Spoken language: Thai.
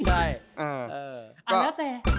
อันเนาะแต่